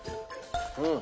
うん。